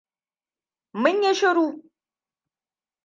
Mun yi shiru.